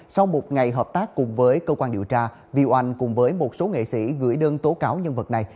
sau một ngày hợp tác cùng với cơ quan điều tra vi oanh cùng với một số nghệ sĩ gửi đơn tố cáo nhân vật này